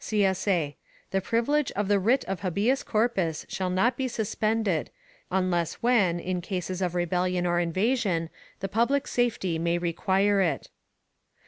[CSA] The privilege of the writ of habeas corpus shall not be suspended, unless when, in cases of rebellion or invasion, the public safety may require it.